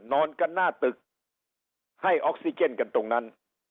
นอนกันหน้าตึกให้ออกซิเจนกันตรงนั้น